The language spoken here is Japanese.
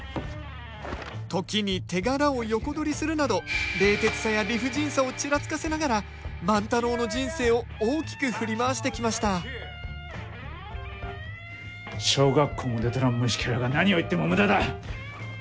時に手柄を横取りするなど冷徹さや理不尽さをちらつかせながら万太郎の人生を大きく振り回してきました小学校も出とらん虫ケラが何を言っても無駄だ！